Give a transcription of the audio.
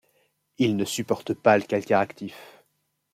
Il ne supporte pas le calcaire actif.